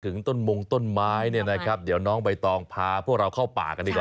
ต้นมงต้นไม้เนี่ยนะครับเดี๋ยวน้องใบตองพาพวกเราเข้าป่ากันดีกว่า